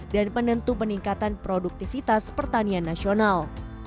dan penentu peningkatan produktivitas pertanian nasional